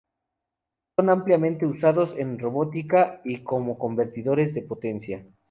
Son ampliamente usados en robótica y como convertidores de potencia.